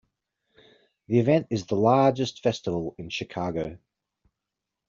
The event is the largest festival in Chicago.